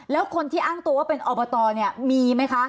แล้วคนที่อ้างตัวว่าเป็นอบตมีมั้ยคะ